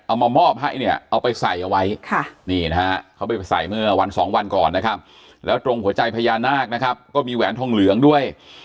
เอามามอบให้เนี่ยเอาไปใส่เอาไว้นี่นะฮะเขาไปใส่เมื่อวันสองวันก่อนนะครับแล้วตรงหัวใจพญานาคนะครับก็มีแหวนทองเหลืองด้วย